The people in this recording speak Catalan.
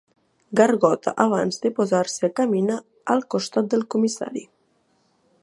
Garota abans de posar-se a caminar al costat del comissari.